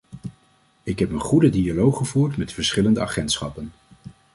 Ik heb een goede dialoog gevoerd met verschillende agentschappen.